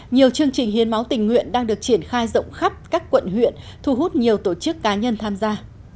nhiều chương trình hiến máu tình nguyện đang được triển khai rộng khắp các quận huyện thu hút nhiều tổ chức cá nhân tham gia